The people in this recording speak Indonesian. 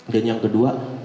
dan yang kedua